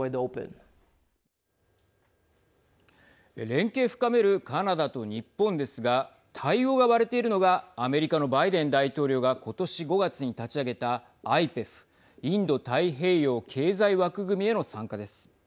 連携深めるカナダと日本ですが対応が割れているのがアメリカのバイデン大統領がことし５月に立ち上げたＩＰＥＦ＝インド太平洋経済枠組みへの参加です。